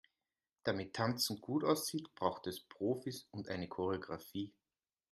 Damit Tanzen gut aussieht, braucht es Profis und eine Choreografie.